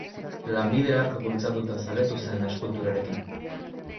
Lanbide hark bultzatuta zaletu zen eskulturarekin.